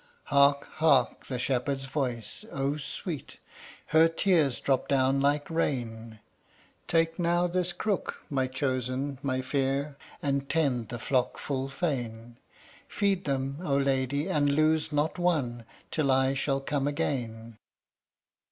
Hark! hark! the shepherd's voice. Oh, sweet! Her tears drop down like rain. "Take now this crook, my chosen, my fere And tend the flock full fain; Feed them, O lady, and lose not one, Till I shall come again."